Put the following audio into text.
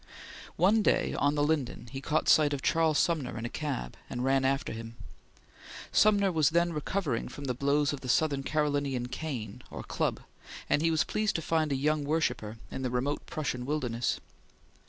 One day on the Linden he caught sight of Charles Sumner in a cab, and ran after him. Sumner was then recovering from the blows of the South Carolinian cane or club, and he was pleased to find a young worshipper in the remote Prussian wilderness.